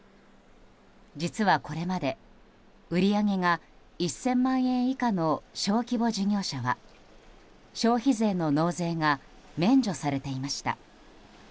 実は、これまで売り上げが１０００万円以下の小規模事業者は消費税の納税が免除されていました。